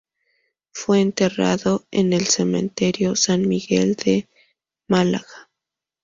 Fue enterrado en el Cementerio San Miguel de Málaga.